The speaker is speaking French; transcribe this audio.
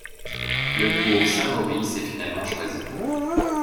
Le Cours Saint-Mauris est finalement choisi.